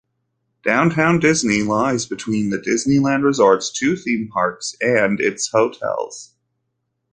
Downtown Disney lies between the Disneyland Resort's two theme parks and its hotels.